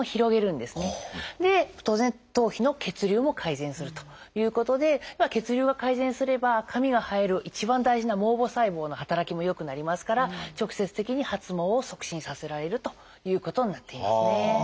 で当然頭皮の血流も改善するということで血流が改善すれば髪が生える一番大事な毛母細胞の働きも良くなりますから直接的に発毛を促進させられるということになっていますね。